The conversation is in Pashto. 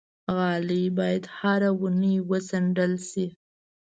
غالۍ باید هره اونۍ وڅنډل شي.